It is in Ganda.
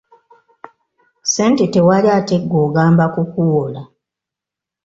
Ssente tewali ate ggwe ongamba kukuwola!